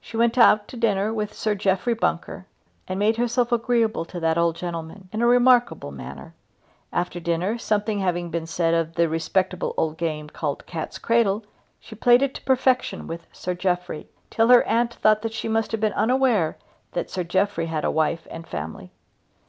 She went out to dinner with Sir Jeffrey Bunker, and made herself agreeable to that old gentleman in a remarkable manner. After dinner, something having been said of the respectable old game called cat's cradle, she played it to perfection with Sir Jeffrey, till her aunt thought that she must have been unaware that Sir Jeffrey had a wife and family.